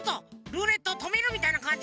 ルーレットをとめるみたいなかんじね。